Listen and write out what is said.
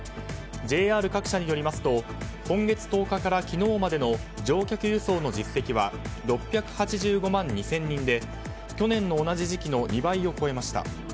ＪＲ各社によりますと今月１０日から昨日までの乗客輸送の実績は６８５万２０００人で去年の同じ時期の２倍を超えました。